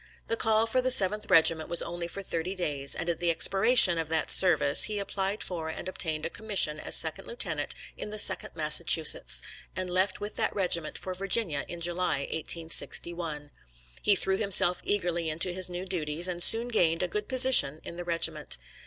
The call for the 7th Regiment was only for thirty days, and at the expiration of that service he applied for and obtained a commission as second lieutenant in the 2d Massachusetts, and left with that regiment for Virginia in July, 1861. He threw himself eagerly into his new duties, and soon gained a good position in the regiment.